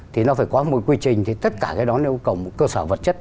thì nó phải có một quy trình thì tất cả cái đó nếu cộng một cơ sở vật chất